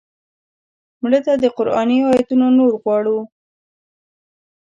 مړه ته د قرآني آیتونو نور غواړو